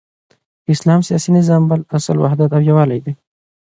د اسلام سیاسی نظام بل اصل وحدت او یوالی دی،